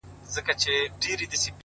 اوس مي له هري لاري پښه ماته ده ـ